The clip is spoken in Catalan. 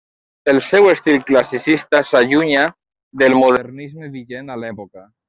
El seu estil classicista s'allunya del modernisme vigent a l'època.